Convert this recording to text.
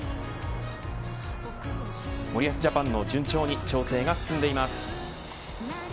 森保ジャパンも順調に調整が進んでいます。